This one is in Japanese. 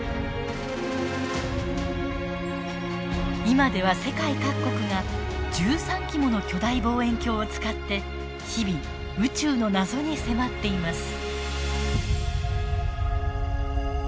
今では世界各国が１３基もの巨大望遠鏡を使って日々宇宙の謎に迫っています。